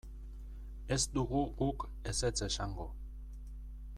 Ez dugu guk ezetz esango.